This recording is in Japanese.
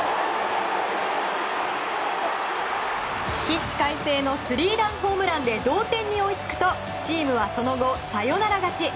起死回生のスリーランホームランで同点に追いつくとチームはその後、サヨナラ勝ち。